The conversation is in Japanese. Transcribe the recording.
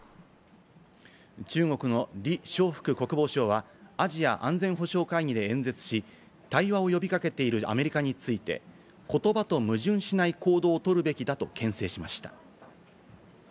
中国のリ・ショウフク国防相はアジア安全保障会議で演説し、対話を呼び掛けているアメリカについて、言葉と矛盾しない行動をとるべきだとけん制しました。